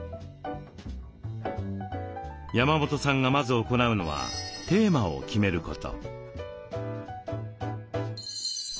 山本さんがまず行うのはテーマを決めること。